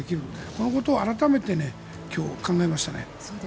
このことを改めて今日考えましたね。